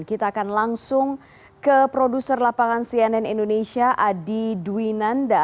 kita akan langsung ke produser lapangan cnn indonesia adi dwinanda